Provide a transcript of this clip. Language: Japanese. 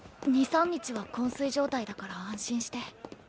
２３日は昏睡状態だから安心して。